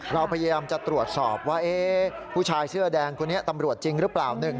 เราพยายามจะตรวจสอบว่าผู้ชายเสื้อแดงคนนี้ตำรวจจริงหรือเปล่า